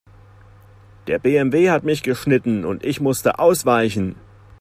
Der BMW hat mich geschnitten und ich musste ausweichen.